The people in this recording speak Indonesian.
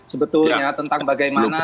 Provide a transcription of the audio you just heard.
sebetulnya tentang bagaimana